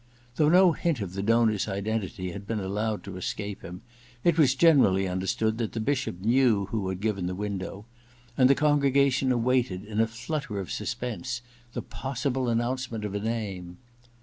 Though no hint of the donor's identity had been allowed to escape him, it was generally understood that the Bishop knew who had given the window, and the congregation awaited in a flutter of suspense the possible announcement of a name.